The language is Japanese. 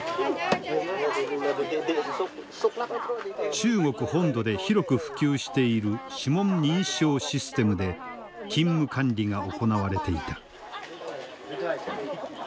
中国本土で広く普及している指紋認証システムで勤務管理が行われていた。